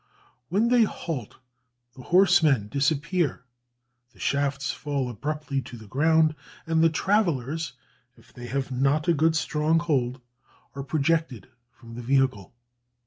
When they halt the horsemen disappear, the shafts fall abruptly to the ground; and the travellers, if they have not a good strong hold, are projected from the vehicle.